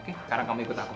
oke sekarang kamu ikut aku